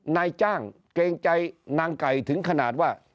นายจ้างเกรงใจนางไก่ถึงขนาดว่า